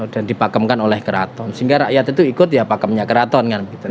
dan dipakemkan oleh keraton sehingga rakyat itu ikut ya pakemnya keraton